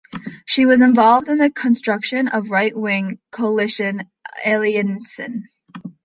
She was involved in the construction of the right-wing coalition Alliansen.